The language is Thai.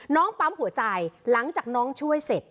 ปั๊มหัวใจหลังจากน้องช่วยเสร็จ